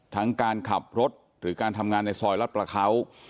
ทั้งการขับรถหรือการทำงานในซอยรัฐประเขา